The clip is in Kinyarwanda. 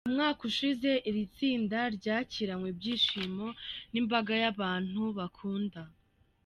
umwaka ushize, iri tsinda ryakiranywe ibyishimo nimbaga yabantu bakunda.